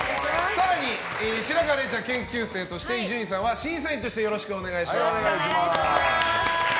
更に白河れいちゃん研究員として伊集院さんは審査員としてよろしくお願いします。